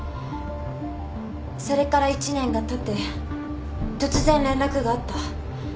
それから１年がたって突然連絡があった。